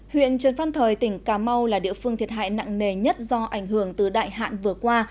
huyện trần văn thời tỉnh cà mau là địa phương thiệt hại nặng nề nhất do ảnh hưởng từ đại hạn vừa qua